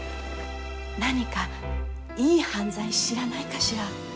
何かいい犯罪知らないかしら。